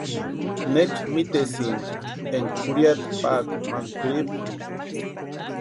¿Necha mitisïnki énka jurhiata paaka ma kwʼiripu?